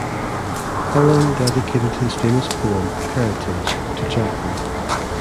Cullen dedicated his famous poem "Heritage" to Jackman.